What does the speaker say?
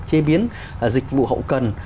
chế biến dịch vụ hậu cần